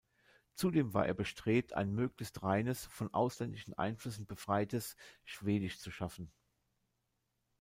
Zudem war er bestrebt, ein möglichst reines, von ausländischen Einflüssen befreites, Schwedisch zu schaffen.